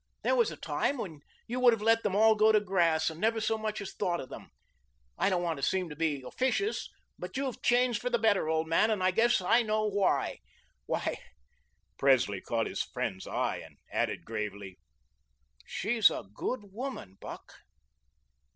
There was a time when you would have let them all go to grass, and never so much as thought of them. I don't want to seem to be officious, but you've changed for the better, old man, and I guess I know why. She " Presley caught his friend's eye, and added gravely, "She's a good woman, Buck."